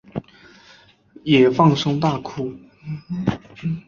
也放声大哭